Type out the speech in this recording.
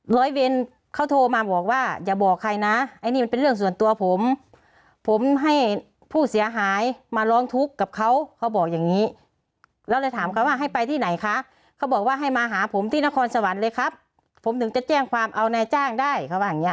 ร้อยเวรเขาโทรมาบอกว่าอย่าบอกใครนะไอ้นี่มันเป็นเรื่องส่วนตัวผมผมให้ผู้เสียหายมาร้องทุกข์กับเขาเขาบอกอย่างนี้เราเลยถามเขาว่าให้ไปที่ไหนคะเขาบอกว่าให้มาหาผมที่นครสวรรค์เลยครับผมถึงจะแจ้งความเอานายจ้างได้เขาว่าอย่างเงี้